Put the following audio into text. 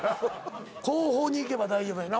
後方にいけば大丈夫やな